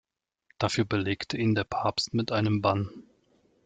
Dafür belegte ihn der Papst mit einem Bann.